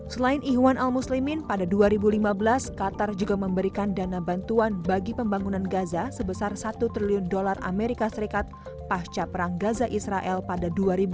selain ihwan al muslimin pada dua ribu lima belas qatar juga memberikan dana bantuan bagi pembangunan gaza sebesar satu triliun dolar amerika serikat pasca perang gaza israel pada dua ribu lima belas